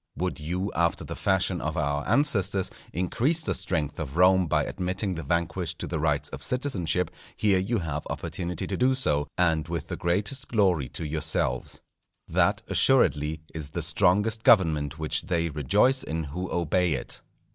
Would you, after the fashion of our ancestors, increase the strength of Rome by admitting the vanquished to the rights of citizenship, here you have opportunity to do so, and with the greatest glory to yourselves. That, assuredly, is the strongest government which they rejoice in who obey it.